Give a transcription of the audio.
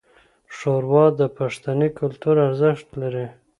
ښوروا د پښتني کلتور ارزښت لري.